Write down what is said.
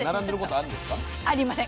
ありません。